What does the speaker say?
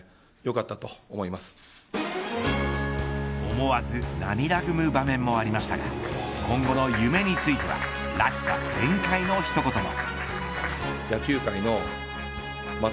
思わず涙ぐむ場面もありましたが今後の夢についてはらしさ全開の一言も。